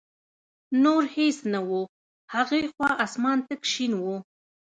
نور هېڅ نه و، هغې خوا اسمان تک شین و.